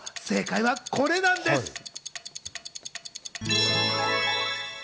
正解はこれなんです。